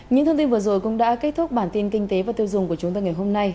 những thông tin vừa rồi cũng đã kết thúc bản tin kinh tế và tiêu dùng của chúng tôi ngày hôm nay